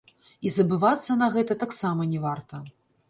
І забывацца на гэта таксама не варта.